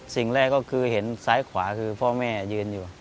สิ่งแรกก็คือเห็นซ้ายขวาคือพ่อแม่ยืนอยู่